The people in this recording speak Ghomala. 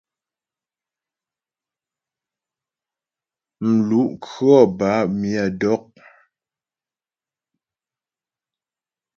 Mlu' khɔ bâ myə dɔk.